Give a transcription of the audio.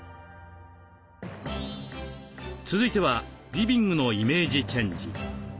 続いてはリビングのイメージチェンジ。